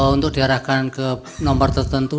untuk diarahkan ke nomor tertentu